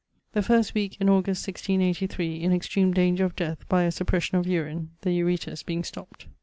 The first weeke in August 1683, in extreme danger of death by a suppression of urine, the ureters being stopped.